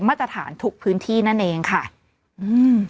มาตรฐานทุกพื้นที่นั่นเองค่ะอืม